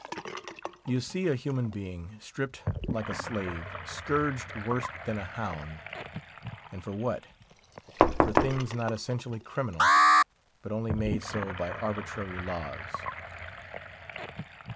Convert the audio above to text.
You see a human being, stripped like a slave; scourged worse than a hound. And for what? For things not essentially criminal, but only made so by arbitrary laws.